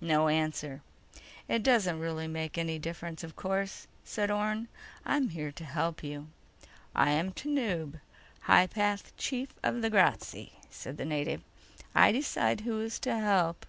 No answer. "It doesn't really make any difference, of course," said Orne. "I'm here to help you." "I am Tanub, High Path Chief of the Grazzi," said the native. "I decide who is to help."